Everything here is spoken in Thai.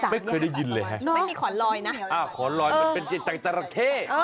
ไม่เคยได้ยินเลยฮะไม่มีขอนลอยนะขอนลอยมันเป็นเจแต่งจราเข้